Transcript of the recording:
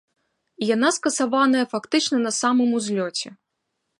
І яна скасаваная фактычна на самым узлёце.